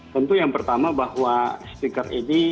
tentu yang pertama bahwa stiker ini